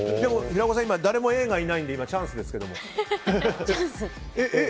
平子さん、誰もＡがいないので今、チャンスですが。